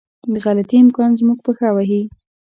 د غلطي امکان زموږ پښه وهي.